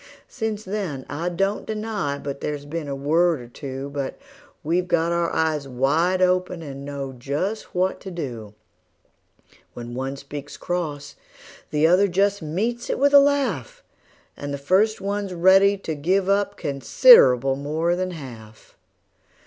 Since then I don't deny but there's been a word or two; But we've got our eyes wide open, and know just what to do: When one speaks cross the other just meets it with a laugh, And the first one's ready to give up considerable more than half.